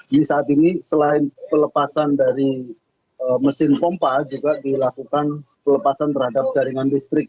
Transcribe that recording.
di saat ini selain pelepasan dari mesin pompa juga dilakukan pelepasan terhadap jaringan listrik